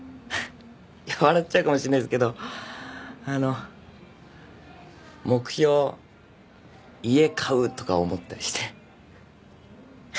いや笑っちゃうかもしんないすけどあの目標家買うとか思ったりして。